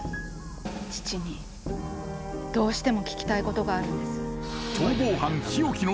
父にどうしても聞きたいことがあるんです。